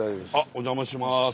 お邪魔します。